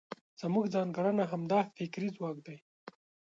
زموږ ځانګړنه همدا فکري ځواک دی.